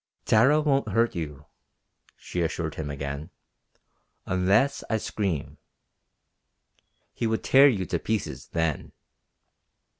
"Tara won't hurt you," she assured him again, "unless I scream. He would tear you to pieces, then."